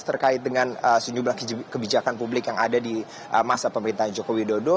terkait dengan sejumlah kebijakan publik yang ada di masa pemerintahan joko widodo